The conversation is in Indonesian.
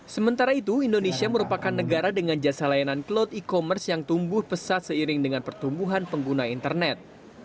sementara itu indonesia merupakan negara dengan jasa layanan cloud e commerce yang tumbuh pesat seiring dengan pertumbuhan pengguna internet